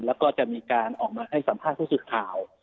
แล้วก็จะมีการออกมาให้สัมภาษณ์ผู้สื่อข่าว